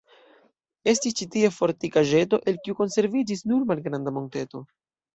Estis ĉi tie fortikaĵeto, el kiu konserviĝis nur malgranda monteto.